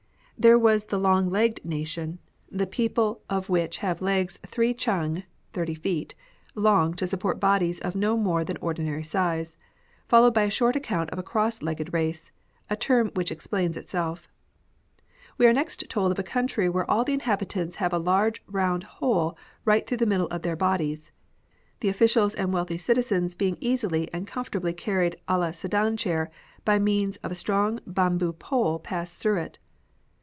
There was the long legged nation, the people * About 24 cash go to a penny. 28 EDUCATIONAL LITERATURE. of which have legs three chang (thirty feet) long to support bodies of no more than ordinary size, followed by a short account of a cross legged race, a term which explains itself. We are next told of a country where all the inhabitants have a larsre round hole rio^ht through the middle of their bodies, the officials and wealthy citizens being easily and comfortably carried a la sedan chair by means of a strong bamboo pole passed through it.